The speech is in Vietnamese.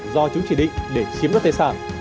do chúng chỉ định để chiếm đất tài sản